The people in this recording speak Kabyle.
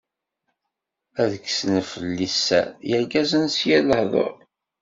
Ad kksen fell-i sser yirgazen s yir lehḍur.